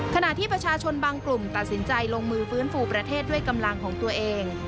ขณะที่ประชาชนบางกลุ่มตัดสินใจลงมือฟื้นฟูประเทศด้วยกำลังของตัวเอง